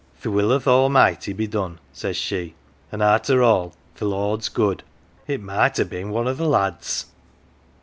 Th' will o' th' A'mighty be done !' says she, ' an' arter all th' Lord's good. It might ha' been one o' th' lads